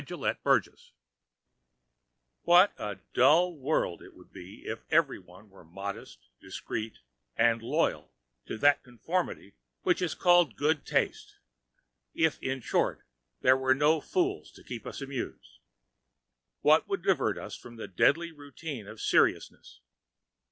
The Use of Fools What a dull world it would be if everyone were modest, discreet and loyal to that conformity which is called good taste! if, in short, there were no fools to keep us amused. What would divert us from the deadly routine of seriousness?